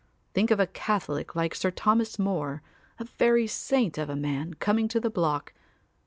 Think of a Catholic like Sir Thomas More, a very saint of a man, coming to the block.